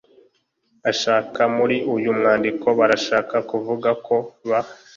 ashaka. muri uyu mwandiko barashaka kuvuga ko ba